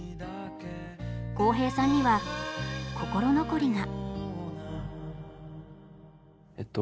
浩平さんには心残りが。